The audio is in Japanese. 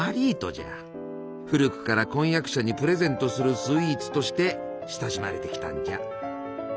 古くから婚約者にプレゼントするスイーツとして親しまれてきたんじゃ。